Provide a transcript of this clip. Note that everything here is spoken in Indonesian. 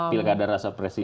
pilkada rasa presiden